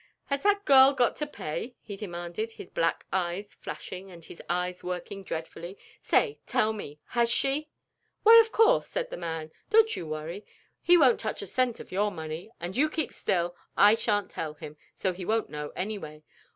"Has that girl got to pay?" he demanded, his black eyes flashing and his eyes working dreadfully; "say, tell me, has she?" "Why, of course," said the man, "don't you worry, he won't touch a cent of your money; and you keep still, I shan't tell him, so he won't know, anyway."